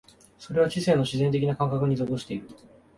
それは知性の自然的な感覚に属している。